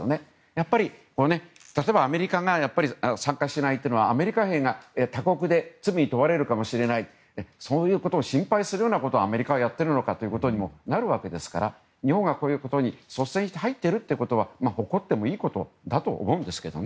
やっぱりアメリカが参加しないのはアメリカ兵が他国で罪に問われるかもしれないそういうことを心配することをアメリカはやっているのかとなりますから日本がこういうことに率先して入っているということは誇ってもいいことだと思うんです。